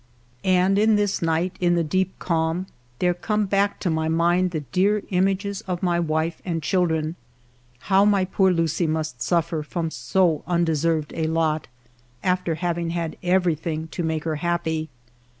And in this night, in the deep calm, there come back to my mind the dear images of my wife and children. How my poor Lucie must suffer from so undeserved a lot, after having had everything to make her happy